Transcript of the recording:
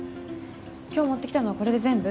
今日持ってきたのはこれで全部？